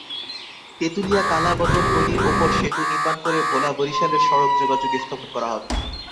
তেঁতুলিয়া-কালাবদর নদীর ওপর সেতু নির্মাণ করে ভোলা-বরিশালের সড়ক যোগাযোগ স্থাপন করা হবে।